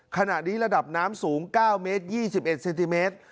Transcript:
ขณะนี้ระดับน้ำสูง๙เมตร๒๑เซนติเมตร